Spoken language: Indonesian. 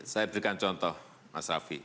saya berikan contoh mas rafi